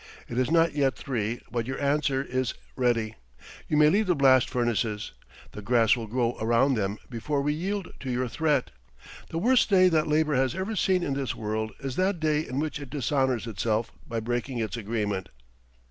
It is not yet three, but your answer is ready. You may leave the blast furnaces. The grass will grow around them before we yield to your threat. The worst day that labor has ever seen in this world is that day in which it dishonors itself by breaking its agreement.